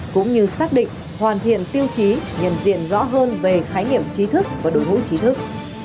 cũng như xác định hoàn thiện tiêu chí nhận diện rõ hơn về khái niệm trí thức và đối ngũ trí thức